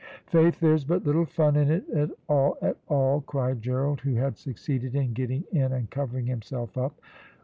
"Faith there's but little fun in it at all at all," cried Gerald, who had succeeded in getting in and covering himself up.